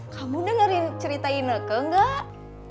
kamu dengerin cerita ineke enggak